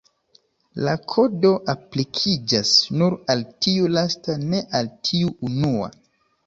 La Kodo aplikiĝas nur al tiu lasta, ne al tiu unua.